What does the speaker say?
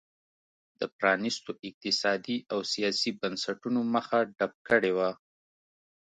د پرانیستو اقتصادي او سیاسي بنسټونو مخه ډپ کړې وه.